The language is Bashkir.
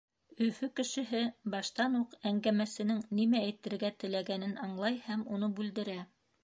Өфө кешеһе баштан уҡ әңгәмәсенең нимә әйтергә теләгәнен аңлай һәм уны бүлдерә.